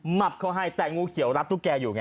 หับเขาให้แต่งูเขียวรัดตุ๊กแกอยู่ไง